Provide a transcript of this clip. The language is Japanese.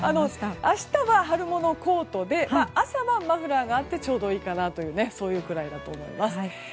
明日は春物のコートで朝晩はマフラーがあってちょうどいいかなというくらいだと思います。